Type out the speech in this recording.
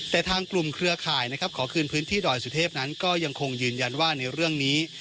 แต่ทางกลุ่มเครือข่ายนะครับขอคืนพื้นที่ดอยสุเทพนั้นก็ยังคงยืนยันว่าในเรื่องนี้